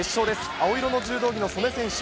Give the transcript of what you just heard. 青色の柔道着の素根選手。